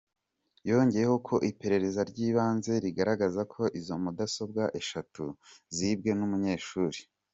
Yongeyeho ko iperereza ry’ibanze rigaragaza ko izo mudasobwa eshatu zibwe n’umunyeshuri.